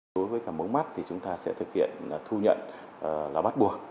đối với cả mống mắt thì chúng ta sẽ thực hiện thu nhận là bắt buộc